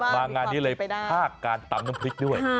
งานนี้เลยภาคการตำน้ำพริกด้วย